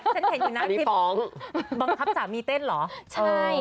ฉันเห็นอยู่นักที่บังคับสามีเต้นเหรอน่ารักดี